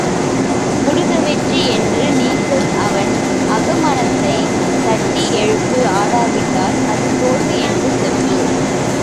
குடுக வெற்றி என்று நீ சொல் அவன் அகமனத்தைத் தட்டி எழுப்பு ஆடாவிட்டால் அது தோல்வி என்று செப்பு.